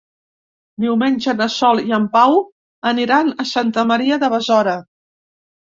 Diumenge na Sol i en Pau aniran a Santa Maria de Besora.